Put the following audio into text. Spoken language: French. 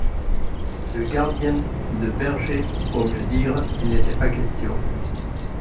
De gardiens, de bergers, pour mieux dire, il n’était pas question.